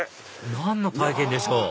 何の体験でしょう？